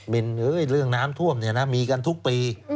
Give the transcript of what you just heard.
เรื่องน้ำท่วมมีกันทุกปี